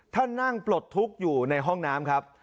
ท่านนั่งปลดทุกข์อยู่ในห้องน้ำครับ